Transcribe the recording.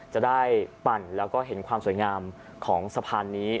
จะได้ปั่นแล้วก็เห็นความสวยงามของสะพานนี้